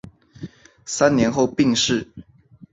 三年后病逝。